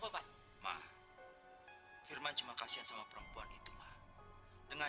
sampai jumpa di video selanjutnya